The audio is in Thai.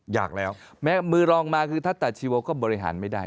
อยากแล้วแม้มือรองมาคือทัศตาชีโวก็บริหารไม่ได้